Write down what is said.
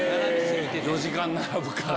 ４時間並ぶから。